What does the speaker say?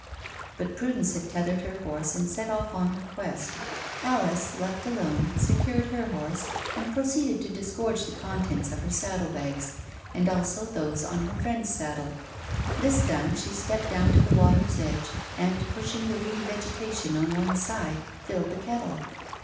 But Prudence had tethered her horse and set off on her quest. Alice, left alone, secured her horse and proceeded to disgorge the contents of her saddle bags, and also those on her friend's saddle. This done, she stepped down to the water's edge, and, pushing the reedy vegetation on one side, filled the kettle.